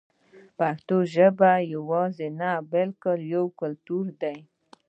پښتو یوازې ژبه نه بلکې یو کلتور دی.